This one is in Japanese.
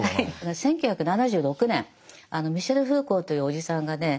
１９７６年ミシェル・フーコーというおじさんがね